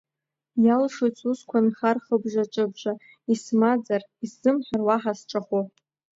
Иалшоит сусқәа нхар хыбжа-ҿыбжа, исмаӡар, исзымҳәар уаҳа сҿахәы.